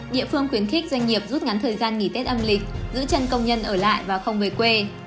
địa phương khuyến khích doanh nghiệp rút ngắn thời gian nghỉ tết âm lịch giữ chân công nhân ở lại và không về quê